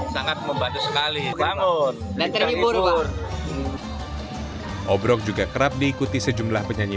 sangat membatu sekali bangun tentang ibu membawa obrok juga kerap diikuti sejumlah penyanyi